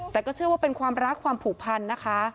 แต่ก็เชื่อว่าเป็นความรักความผูกพันนะคะ